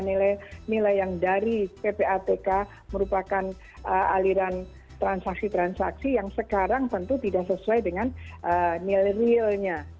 nilai nilai yang dari ppatk merupakan aliran transaksi transaksi yang sekarang tentu tidak sesuai dengan nilai realnya